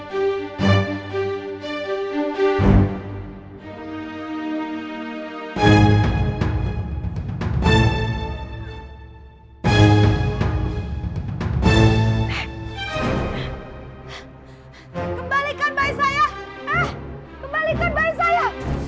kembalikan bayi saya